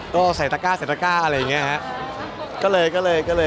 ก็ใส่ตระก้าอะไรอย่างนี้ครับ